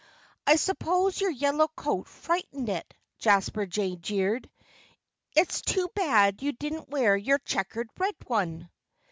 "I suppose your yellow coat frightened it," Jasper Jay jeered. "It's too bad you didn't wear your checkered red one."